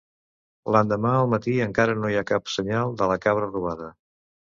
L'endemà al matí encara no hi ha cap senyal de la cabra robada.